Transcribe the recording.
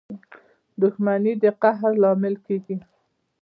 • دښمني د قهر لامل کېږي.